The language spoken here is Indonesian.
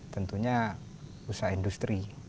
tentunya usaha industri